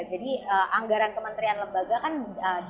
jadi anggaran kementerian lembaga kan disalurkannya melalui komisi sebelas